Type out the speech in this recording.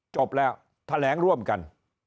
จบแล้วแถลงร่วมกัน